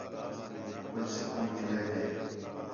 کُجھ سکون مِلے میک